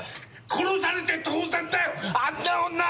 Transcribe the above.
殺されて当然だよあんな女！